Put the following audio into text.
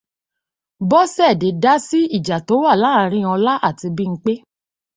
Bọ́sẹ̀dé dá sí ìjà tó wà láàrin Ọlá àti Bímpé.